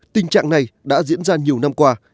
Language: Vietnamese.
tình trạng này đã diễn ra nhiều năm qua